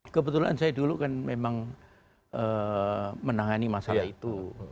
kebetulan saya dulu kan memang menangani masalah itu